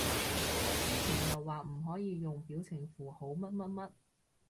之前又話唔可以用表情符號乜乜乜